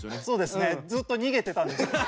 そうですねずっと逃げてたんです。